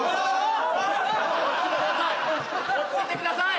落ち着いてください！